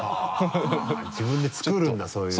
はぁ自分で作るんだそういうね。